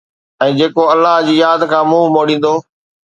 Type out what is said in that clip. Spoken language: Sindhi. ۽ جيڪو الله جي ياد کان منهن موڙيندو